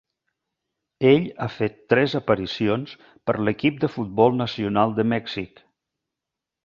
Ell ha fet tres aparicions per l"equip de futbol nacional de Mèxic.